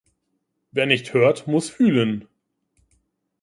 Wer nicht hört muß fühlen.